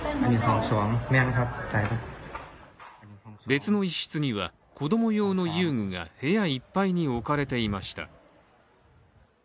別の一室では、子供用の遊具が部屋いっぱいに置かれていました。